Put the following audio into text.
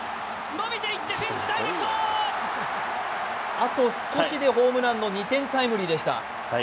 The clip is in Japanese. あと少しでホームランの２点タイムリーでした。